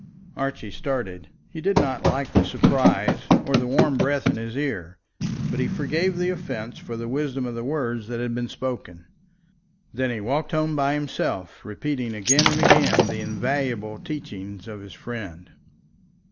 Archie started and did not like the surprise, or the warm breath in his ear; but he forgave the offence for the wisdom of the words that had been spoken. Then he walked home by himself, repeating again and again the invaluable teachings of his friend. CHAPTER XVIII. CAPTAIN CLAVERING MAKES HIS FIRST ATTEMPT.